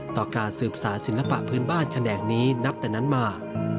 ต่อการสืบสารศิลปะพื้นบ้านแขนงนี้นับแต่นั้นมา